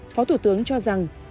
phó thủ tướng cho rằng